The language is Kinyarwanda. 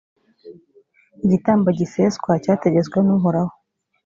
igitambo giseswa cyategetswe n’uhoraho.